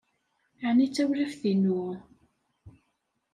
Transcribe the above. Ɛni d tawlaft-inu?